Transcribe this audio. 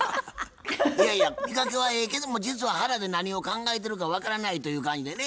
いやいや見かけはええけども実は腹で何を考えてるか分からないという感じでね